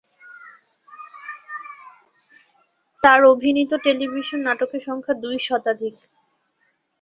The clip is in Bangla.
তার অভিনীত টেলিভিশন নাটকের সংখ্যা দুই শতাধিক।